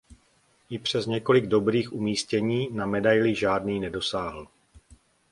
I přes několik dobrých umístění na medaili žádný nedosáhl.